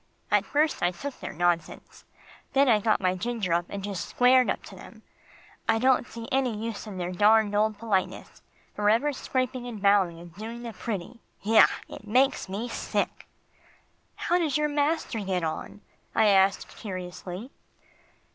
At first I took their nonsense; then I got my ginger up and just squared up to them. I don't see any use in their darned old politeness forever scraping and bowing, and doing the pretty. Yah! it makes me sick." "How does your master get on?" I asked curiously.